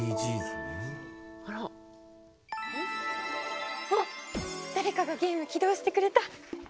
あっ誰かがゲーム起動してくれた！